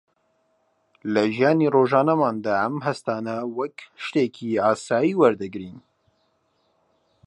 لە ژیانی ڕۆژانەماندا ئەم هەستانە وەک شتێکی ئاسایی وەردەگرین